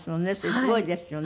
すごいですよね。